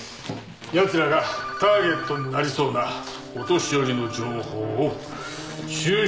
奴らがターゲットになりそうなお年寄りの情報を収集する。